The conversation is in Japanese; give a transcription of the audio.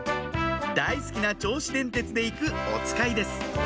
大好きな銚子電鉄で行くおつかいです